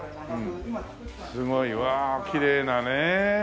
すごい。うわきれいなね。